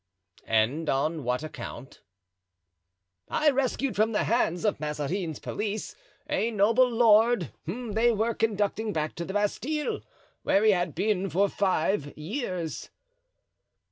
"And on what account?" "I rescued from the hands of Mazarin's police a noble lord whom they were conducting back to the Bastile, where he had been for five years."